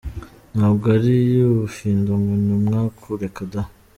Ntabwo ari ubufindo ngo ni umwaku, reka da!